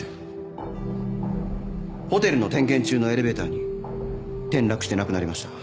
ホテルの点検中のエレベーターに転落して亡くなりました。